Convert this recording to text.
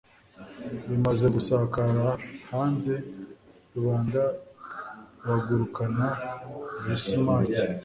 bimaze gusakara hanze, rubanda ruhagurukana lisimaki